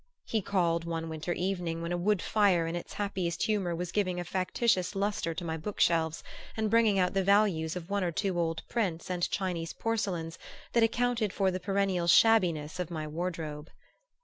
He called one winter evening, when a wood fire in its happiest humor was giving a factitious lustre to my book shelves and bringing out the values of the one or two old prints and Chinese porcelains that accounted for the perennial shabbiness of my wardrobe.